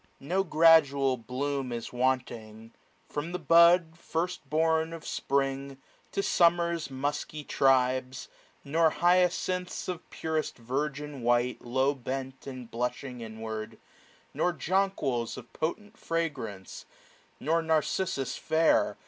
No gradual bloom is wanting ; from the bud. First born of Springy to Summer's musky tribes : tt SPRING. Nor hyacinths, of purest virgin white, Low bent, and blushing inward ; nor jonquils, 545 Of potent fragrance ; nor Narcissus fair.